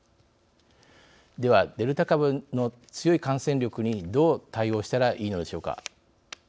では、デルタ株の強い感染力にどう対応したらいいのでしょうか。